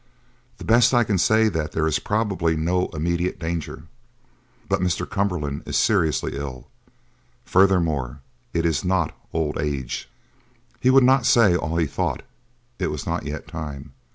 The best I can say is that there is probably no immediate danger, but Mr. Cumberland is seriously ill. Furthermore, it is not old age." He would not say all he thought; it was not yet time.